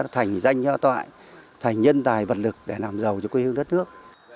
thành danh cho tội thành nhân tài vật lực để làm giàu cho quê hương đất nước